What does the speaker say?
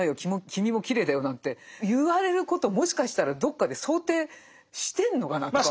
君もきれいだよ」なんて言われることをもしかしたらどっかで想定してんのかなとか。